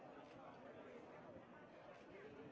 โปรดติดตามต่อไป